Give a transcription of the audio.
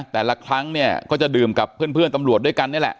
แต่ละครั้งเนี่ยก็จะดื่มกับเพื่อนตำรวจด้วยกันนี่แหละ